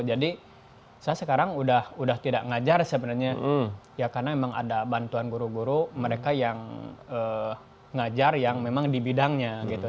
jadi saya sekarang udah tidak ngajar sebenarnya ya karena memang ada bantuan guru guru mereka yang ngajar yang memang di bidangnya gitu